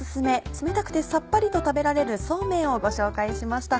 冷たくてサッパリと食べられるそうめんをご紹介しました。